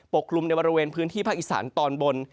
กลุ่มในบริเวณพื้นที่ภาคอีสานตอนบน